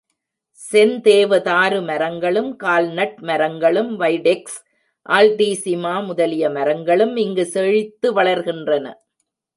செந்தேவதாரு மரங்களும், கால் நட் மரங்களும், வைடெக்ஸ், ஆல்டீசிமா முதலிய மரங்களும் இங்கு செழித்து வளர்கின்றன.